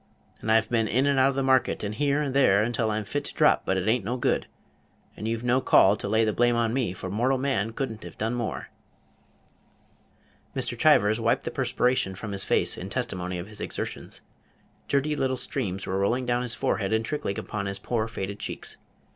And I've been in and out the market, and here and there, until I'm fit to drop, but it a'n't no good; and you've no call to lay the blame on me, for mortal man could n't have done more." Mr. Chivers wiped the perspiration from his face in testimony of his exertions. Dirty Page 190 little streams were rolling down his forehead and trickling upon his poor faded cheeks.